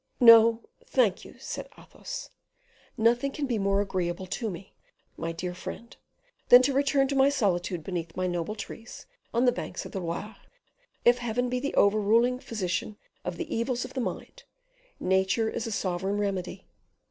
"No, thank you," said Athos; "nothing can be more agreeable to me, my dear friend, than to return to my solitude beneath my noble trees on the banks of the Loire. If Heaven be the overruling physician of the evils of the mind, nature is a sovereign remedy.